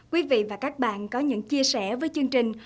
quý vị và các bạn có những chia sẻ với chương trình